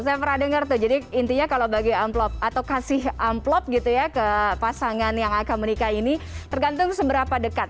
saya pernah dengar tuh jadi intinya kalau bagi amplop atau kasih amplop gitu ya ke pasangan yang akan menikah ini tergantung seberapa dekat